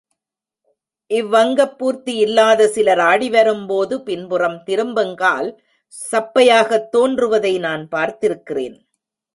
இவ்வங்கப் பூர்த்தியில்லாத சிலர் ஆடிவரும்போது பின்புறம் திரும்புங்கால் சப்பையாகத் தோன்றுவதை நான் பார்த்திருக்கிறேன்.